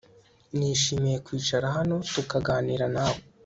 Nishimiye kwicara hano tukaganira nawe